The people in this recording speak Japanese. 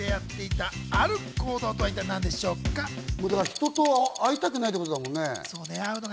人と会いたくないってことだもんね。